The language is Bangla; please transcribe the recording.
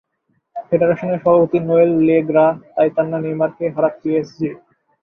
ফেডারেশনের সভাপতি নোয়েল লে গ্রা তাই চান না নেইমারকে হারাক পিএসজি।